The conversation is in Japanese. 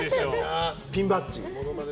ピンバッジ。